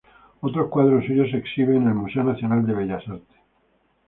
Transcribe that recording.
Otros cuadros suyos se exhiben en el Museo Nacional de Bellas Artes.